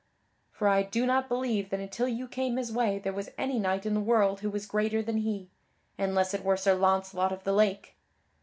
For I do not believe that until you came his way there was any knight in the world who was greater than he, unless it were Sir Launcelot of the Lake.